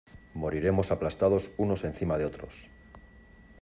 moriremos aplastados unos encima de otros.